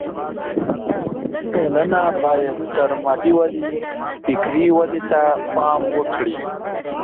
ټولنه بايد تر مادي ودې فکري ودې ته پام وکړي.